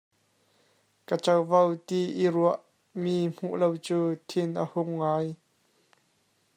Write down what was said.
Ka covo ti i ruah mi hmuh lo cu thin a hung ngai.